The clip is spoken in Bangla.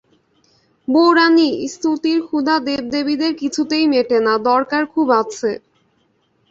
বউরানী, স্তুতির ক্ষুধা দেবীদের কিছুতেই মেটে না, দরকার খুব আছে।